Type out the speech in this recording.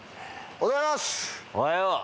おはよう。